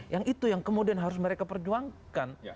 yang itu yang kemudian harus mereka perjuangkan